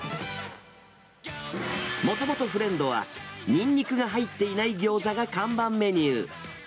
もともとフレンドは、ニンニクが入っていないぎょうざが看板メニュー。